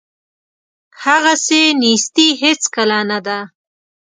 هغسې نیستي هیڅکله نه ده.